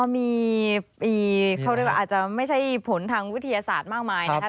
มีเขาเรียกว่าอาจจะไม่ใช่ผลทางวิทยาศาสตร์มากมายนะครับ